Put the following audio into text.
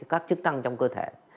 các chức tăng trong cơ thể